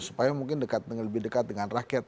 supaya mungkin lebih dekat dengan rakyat